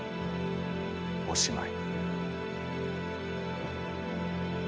おしまい。